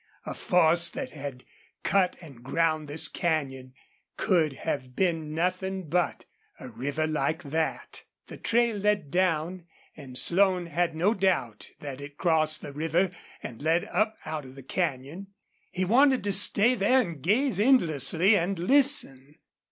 A force that had cut and ground this canyon could have been nothing but a river like that. The trail led down, and Slone had no doubt that it crossed the river and led up out of the canyon. He wanted to stay there and gaze endlessly and listen.